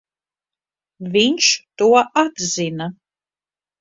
Viņš to atzina.